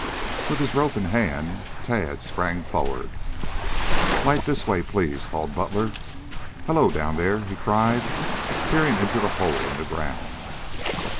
With his rope in hand, Tad sprang forward. "Light this way, please," called Butler. "Hello, down there!" he cried, peering into the hole in the ground.